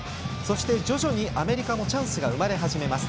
徐々にアメリカもチャンスが生まれ始めます。